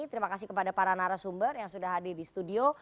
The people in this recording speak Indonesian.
terima kasih kepada para narasumber yang sudah hadir di studio